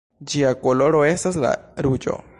Ĝia koloro estas la ruĝo.